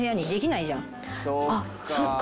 あっそっか。